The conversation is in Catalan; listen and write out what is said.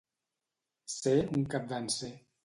Ser un capdanser.